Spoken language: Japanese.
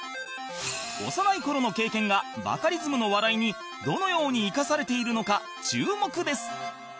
幼い頃の経験がバカリズムの笑いにどのように生かされているのか注目です